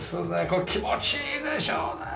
これ気持ちいいでしょうね！